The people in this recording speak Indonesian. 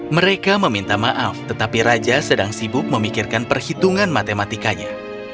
mereka meminta maaf tetapi raja sedang sibuk memikirkan perhitungan matematikanya